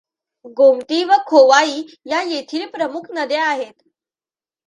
गोमती व खोवाई या येथील प्रमुख नद्या आहेत.